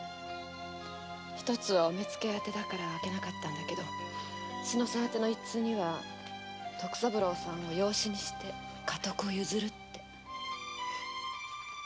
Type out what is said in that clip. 一つは御目付あてなので開けなかったんですけど志乃さんあての一通には徳三郎さんを養子にして家督を譲るって。